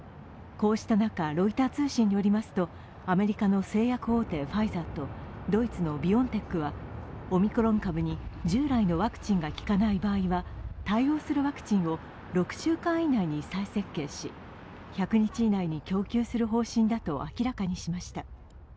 こうした中、ロイター通信によりますとアメリカの製薬大手ファイザーとドイツのビオンテックは、オミクロン株に従来のワクチンが効かない場合は対応するワクチンを６週間以内に再設計し、１００日以内に供給する方針だと明らかにしました。